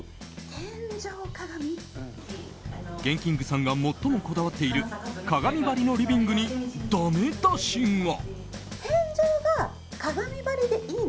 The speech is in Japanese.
ＧＥＮＫＩＮＧさんが最もこだわっている鏡張りのリビングにだめ出しが。